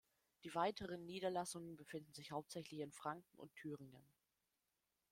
Die weiteren Niederlassungen befinden sich hauptsächlich in Franken und Thüringen.